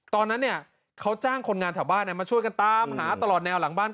ตอนนั้นเนี่ยเขาจ้างคนงานแถวบ้านมาช่วยกันตามหาตลอดแนวหลังบ้าน